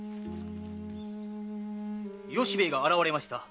由兵衛が現れました。